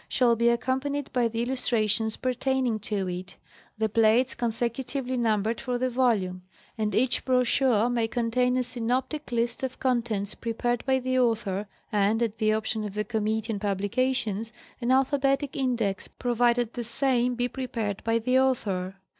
shall be accompanied by the illustrations pertaining to it, the Rules Relating to Publication. 313 plates consecutively numbered for the volume ; and each brochure may contain a synoptic list of contents prepared by the author and, at the option of the Committee on Publications, an alpha betic index, provided the same be prepared by the author.